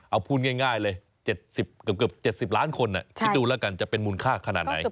เอาพูดง่ายเลย๗๐เกือบ๗๐ล้านคนคิดดูแล้วกันจะเป็นมูลค่าขนาดไหน